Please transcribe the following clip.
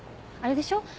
あれでしょ